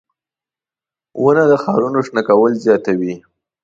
• ونه د ښارونو شنه کول زیاتوي.